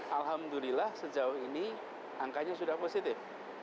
alhamdulillah sejauh ini angkanya sudah positif